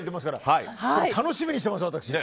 楽しみにしてます、私。